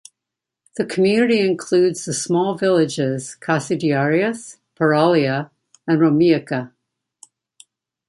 The community includes the small villages Kasidiaris, Paralia and Romeika.